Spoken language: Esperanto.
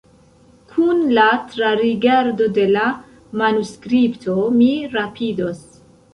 Kun la trarigardo de la manuskripto mi rapidos.